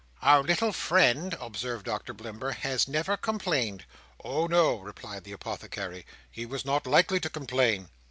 "Our little friend," observed Doctor Blimber, "has never complained." "Oh no!" replied the Apothecary. "He was not likely to complain."